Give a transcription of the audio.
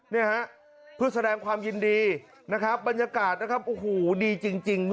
เนี่ยฮะเพื่อแสดงความยินดีนะครับบรรยากาศนะครับโอ้โหดีจริง